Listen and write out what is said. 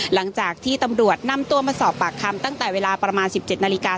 หลังจากที่ตำรวจนำตัวมาสอบปากคำตั้งแต่เวลาประมาณ๑๗นาฬิกา